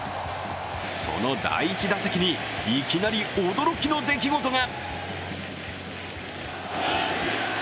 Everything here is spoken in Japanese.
その第１打席に、いきなり驚きの出来事が。